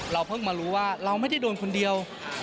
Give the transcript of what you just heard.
เพิ่งมารู้ว่าเราไม่ได้โดนคนเดียว